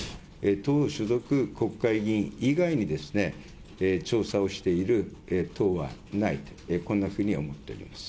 党所属国会議員以外に調査をしている党はないと、こんなふうに思っております。